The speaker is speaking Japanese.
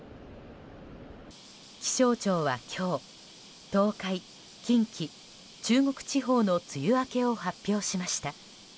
気象庁は今日東海、近畿、中国地方の梅雨明けを発表しました。